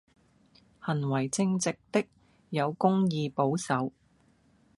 行為正直的，有公義保守